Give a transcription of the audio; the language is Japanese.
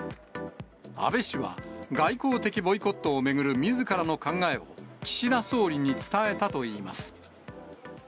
安倍氏は、外交的ボイコットを巡るみずからの考えを、岸田総理に伝えたといいます。